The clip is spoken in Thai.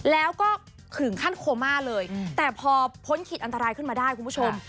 แล้วก็ถึงขั้นโคม่าเลยแต่พอพ้นขีดอันตรายขึ้นมาได้คุณผู้ชม